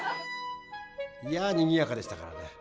いやにぎやかでしたからね。